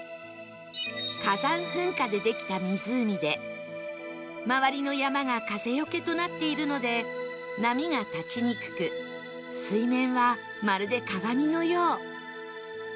火山噴火でできた湖で周りの山が風よけとなっているので波が立ちにくく水面はまるで鏡のよう